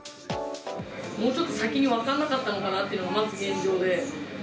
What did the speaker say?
もうちょっと先に分からなかったのかなというのは、まず現状で。